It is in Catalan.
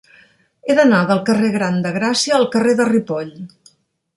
He d'anar del carrer Gran de Gràcia al carrer de Ripoll.